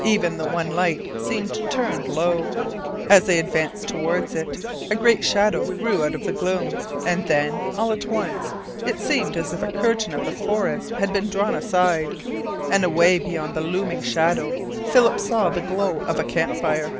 Even the one light seemed turned low. As they advanced toward it a great shadow grew out of the gloom; and then, all at once, it seemed as if a curtain of the forest had been drawn aside, and away beyond the looming shadow Philip saw the glow of a camp fire.